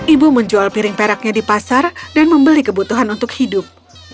ibu menjual piring peraknya di pasar dan membeli kebutuhan untuk hidup